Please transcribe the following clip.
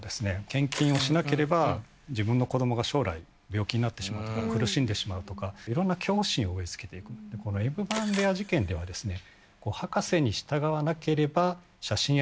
献金をしなければ自分の子供が将来病気になってしまうとか苦しんでしまうとか色んな恐怖心を植え付けていくｎ番部屋事件ではですね